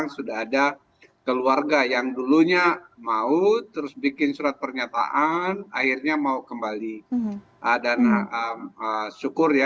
selamat sore mbak